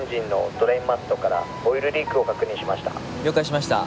了解しました。